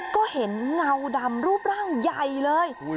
ก็เห็นเงาดำรูปร่างใหญ่เลย